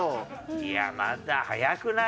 いやまだ早くない？